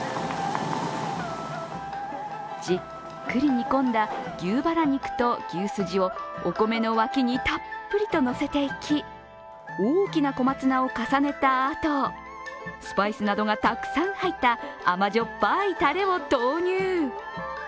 じっくり煮込んだ牛バラ肉と牛すじをお米の脇にたっぷりと乗せていき大きな小松菜を重ねたあとスパイスなどがたくさん入った甘塩っぱいたれを投入。